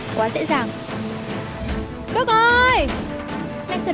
cô ra đây dẫn con ra đây với mẹ con